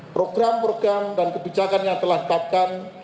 program program dan kebijakan yang telah ditetapkan